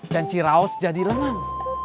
dan ciraos jadi lengan